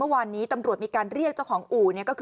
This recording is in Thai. อ้อฟ้าอ้อฟ้าอ้อฟ้าอ้อฟ้า